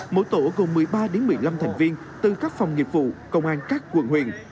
mỗi tổ gồm một mươi ba một mươi năm thành viên từ các phòng nghiệp vụ công an các quận huyện